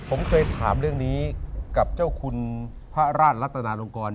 ผมเคยถามเรื่องนี้กับเจ้าคุณพระราชรัตนาลงกร